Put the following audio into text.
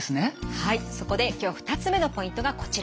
はいそこで今日２つ目のポイントがこちら。